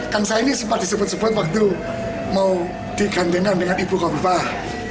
kan saya ini sempat disebut sebut waktu mau digantenan dengan ibu kofifah